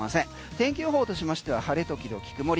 天気予報としましては晴れ時々曇り。